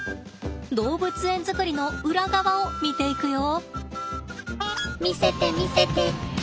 動物園作りの裏側を見ていくよ！